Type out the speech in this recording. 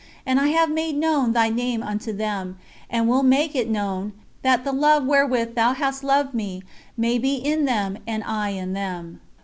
And I have made known Thy name unto them, and will make it known, that the love wherewith Thou hast loved me may be in them and I in them."